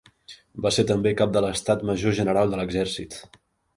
Va ser també Cap de l'Estat Major General de l'Exèrcit.